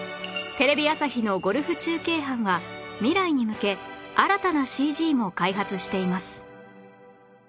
テレビ朝日のゴルフ中継班は未来に向け新たな ＣＧ も開発しています